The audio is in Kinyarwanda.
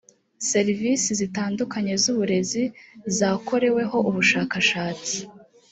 serivisi zitandukanye z uburezi zakoreweho ubushakashatsi